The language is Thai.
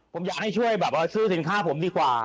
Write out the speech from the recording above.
ผมอยากให้ช่วยแบบซื้อสินค้าผมดีกว่า